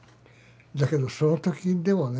だけどその時にでもね